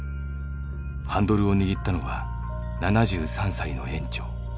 ハンドルを握ったのは７３歳の園長。